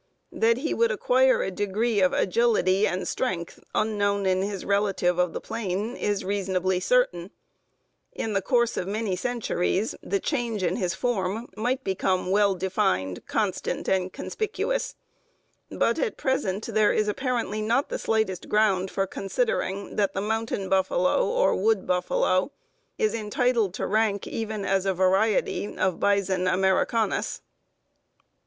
That he would acquire a degree of agility and strength unknown in his relative of the plain is reasonably certain. In the course of many centuries the change in his form might become well defined, constant, and conspicuous; but at present there is apparently not the slightest ground for considering that the "mountain buffalo" or "wood buffalo" is entitled to rank even as a variety of Bison americanus.